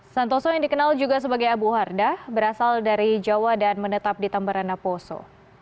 santoso yang dikenal juga sebagai abu hardah berasal dari jawa dan menetap di tambarana poso